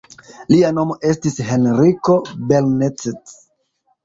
Lia nomo estis Henriko Belnett.